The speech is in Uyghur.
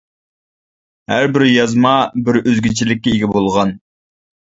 ھەر بىر يازما بىر ئۆزگىچىلىككە ئىگە بولغان.